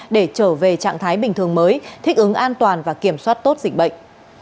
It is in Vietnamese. để trở về trạng thái bình thường mới thích ứng an toàn và kiểm soát tốt dịch bệnh